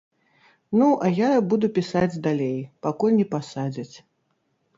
Ну, а я буду пісаць далей, пакуль не пасадзяць.